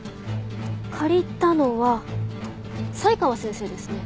借りたのは才川先生ですね。